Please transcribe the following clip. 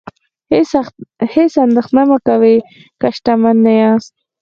هیڅ اندیښنه مه کوئ که شتمن نه یاست.